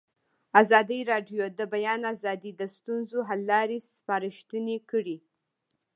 ازادي راډیو د د بیان آزادي د ستونزو حل لارې سپارښتنې کړي.